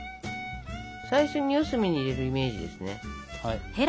最初に四隅に入れるイメージですね。